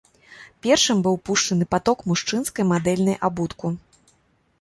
Першым быў пушчаны паток мужчынскі мадэльнай абутку.